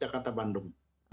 jadi kita selalu memperbaikkan